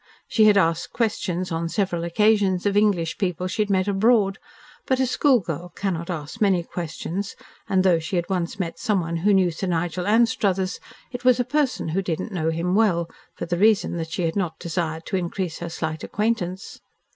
She had asked questions on several occasions of English people she had met abroad. But a schoolgirl cannot ask many questions, and though she had once met someone who knew Sir Nigel Anstruthers, it was a person who did not know him well, for the reason that she had not desired to increase her slight acquaintance.